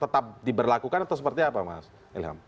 tetap diberlakukan atau seperti apa mas ilham